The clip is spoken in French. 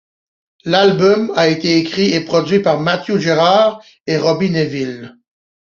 L'album a été écrit et produit par Matthew Gerrard et Robbie Nevil.